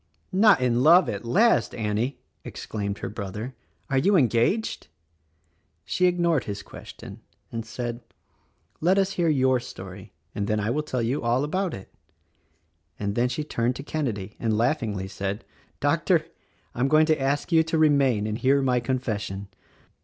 "Not in love, at last, Annie!" exclaimed her brother. "Are you engaged?" She ignored his question and said, "Let us hear your story and then I will tell you all about it." And then she turned to Kenedy and laughingly said, "Doctor, I am going to ask you to remain and hear my confession."